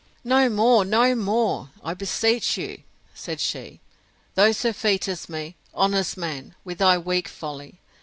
No more, no more, I beseech you, said she; thou surfeitest me, honest man! with thy weak folly.